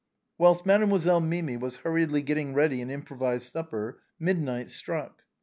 Whilst Mademoiselle Mimi was hurriedly getting ready an improvised supper, midnight struck.